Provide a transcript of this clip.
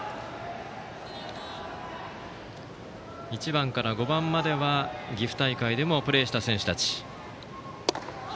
１番から５番までは岐阜大会でもプレーした選手たち。